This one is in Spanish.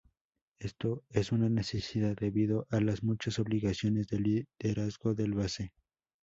Esto es una necesidad debido a las muchas obligaciones de liderazgo del base.